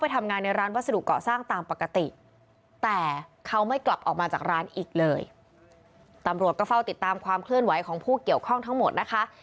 ติดตามความเคลื่อนไหวของผู้เกี่ยวข้องทั้งหมดนะคะ